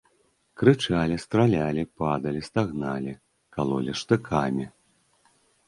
Крычалі, стралялі, падалі, стагналі, калолі штыхамі.